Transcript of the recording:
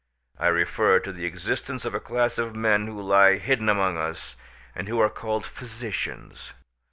I refer to the existence of a class of men who lie hidden among us, and who are called physicians.